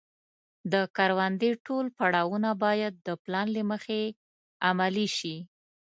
د کروندې ټول پړاوونه باید د پلان له مخې عملي شي.